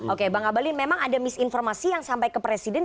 oke bang abalin memang ada misinformasi yang sampai ke presiden